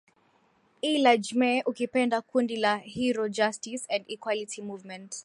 i la jme ukipenda kundi la hero justice and equality movement